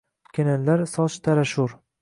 Kelinlar soch tarashur;